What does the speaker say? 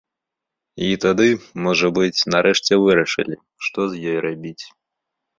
І тады, можа быць, нарэшце вырашылі, што з ёй рабіць.